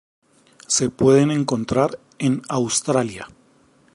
Se pueden encontrar en Australia.